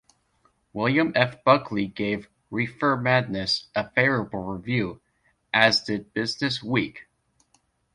William F. Buckley gave "Reefer Madness" a favorable review, as did "BusinessWeek".